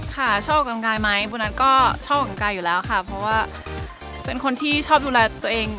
ค่ะชอบออกกำลังกายไหมโบนัสก็ชอบออกกำลังกายอยู่แล้วค่ะเพราะว่าเป็นคนที่ชอบดูแลตัวเอง